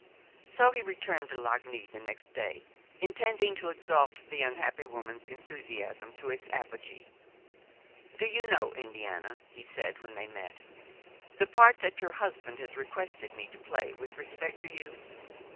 So he returned to Lagny the next day, intending to exalt the unhappy woman's enthusiasm to its apogee. "Do you know, Indiana," he said, when they met, "the part that your husband has requested me to play with respect to you?